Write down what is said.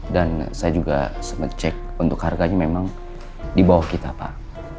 dan saya juga sempat cek untuk harganya memang di bawah kita pak